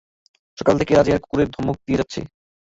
সকাল থেকে রাজিয়ার কুকুরা ধমক দিয়ে যাচ্ছে।